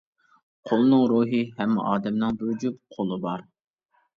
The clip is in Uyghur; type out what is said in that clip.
قولنىڭ رولى ھەممە ئادەمنىڭ بىر جۈپ قولى بار.